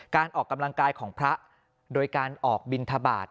การออกกำลังกายของพระโดยการออกบินทบาท